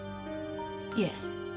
いえ。